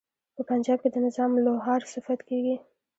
په پنجاب کې د نظام لوهار صفت کیږي.